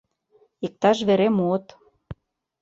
Иктаж вере муыт.